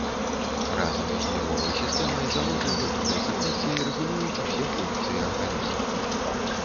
Разам з нервовай сістэмай залозы ўнутранай сакрэцыі рэгулююць усе функцыі арганізма.